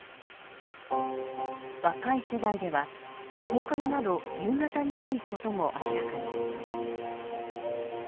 若い世代では放課後など夕方に多いことも明らかに。